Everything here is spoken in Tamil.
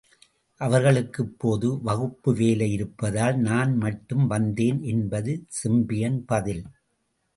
அவர்களுக்கு இப்போது வகுப்ப வேலை இருப்பதால் நான் மட்டும் வந்தேன் என்பது செம்பியன் பதில்.